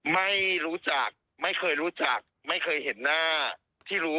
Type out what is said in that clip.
ไม่รู้จักไม่เคยรู้จักไม่เคยเห็นหน้าที่รู้